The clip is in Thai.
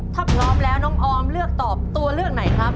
ถ้าพร้อมแล้วน้องออมเลือกตอบตัวเลือกไหนครับ